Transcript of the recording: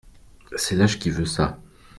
C’est l’âge qui veut ça !